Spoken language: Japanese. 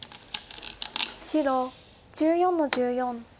白１４の十四。